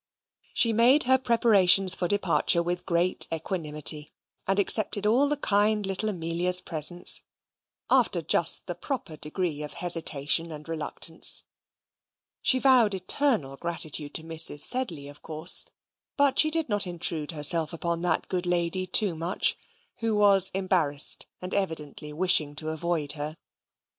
She made her preparations for departure with great equanimity; and accepted all the kind little Amelia's presents, after just the proper degree of hesitation and reluctance. She vowed eternal gratitude to Mrs. Sedley, of course; but did not intrude herself upon that good lady too much, who was embarrassed, and evidently wishing to avoid her.